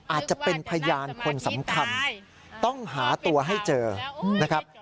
อาจจะเป็นพยานคนสำคัญต้องหาตัวให้เจอนะครับ